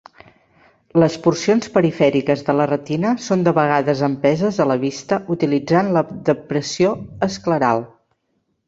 Les porcions perifèriques de la retina són de vegades empeses a la vista utilitzant la depressió escleral.